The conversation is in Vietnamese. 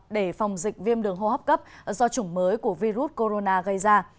để phòng dịch viêm đường hô hấp cấp do chủng mới của virus corona gây ra